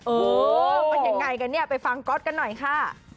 เอาอย่างไงกันเนี้ยไปฟังก็อตกันหน่อยค่ะ